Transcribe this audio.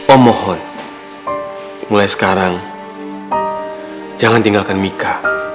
om mohon mulai sekarang jangan tinggalkan mika